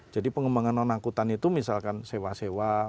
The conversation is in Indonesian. jadi pengembangan non angkutan itu misalkan sewa sewa